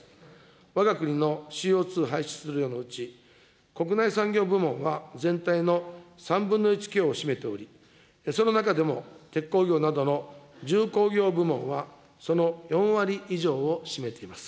わが国のＣＯ２排出量のうち、国内産業部門は全体の３分の１強を占めており、その中でも鉄鋼業などの重工業部門は、その４割以上を占めています。